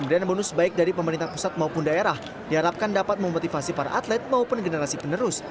pemberian bonus baik dari pemerintah pusat maupun daerah diharapkan dapat memotivasi para atlet maupun generasi penerus